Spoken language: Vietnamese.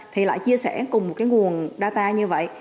thì lại chia sẻ cùng một cái nguồn data như vậy